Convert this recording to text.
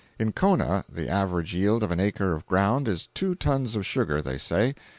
In Kona, the average yield of an acre of ground is two tons of sugar, they say.